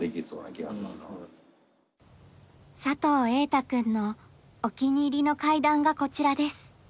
佐藤瑛汰くんのお気に入りの階段がこちらです。